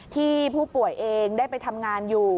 ที่ผู้ป่วยเองได้ไปทำงานอยู่